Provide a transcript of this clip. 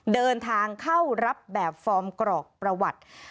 เดินทางเข้ารับแบบฟอร์มกรอกประวัติ